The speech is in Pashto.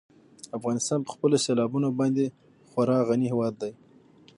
افغانستان په خپلو سیلابونو باندې خورا غني هېواد دی.